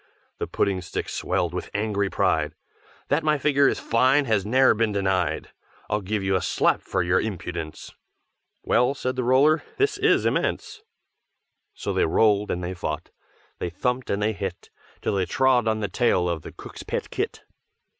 The Pudding stick swelled with angry pride, "That my figure is fine has ne'er been denied, I'll give you a slap for your impudence!" "Well!" said the Roller: "This is immense!" So they rolled and they fought, They thumped and they hit. Till they trod on the tail of the cook's pet kit.